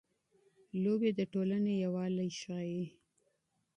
لوبې د ټولنې یووالی ښيي.